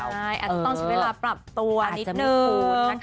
ใช่อาจจะต้องใช้เวลาปรับตัวนิดนึง